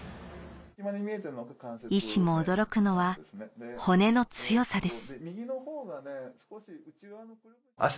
医師も驚くのは骨の強さです